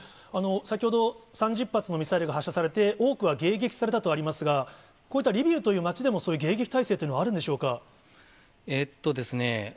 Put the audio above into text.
先ほど、３０発のミサイルが発射されて、多くは迎撃されたとありますが、こういったリビウという街でもそういう迎撃態勢というのはあるんでしょうか。